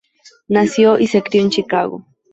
Nació y se crio en Chicago.